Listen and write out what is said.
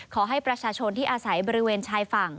ขอให้ประชาชนที่อาศัยบริเวณชายฝั่ง